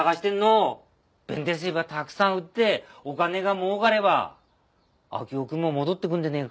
弁天水ばたくさん売ってお金がもうかれば昭雄君も戻ってくんでねえか？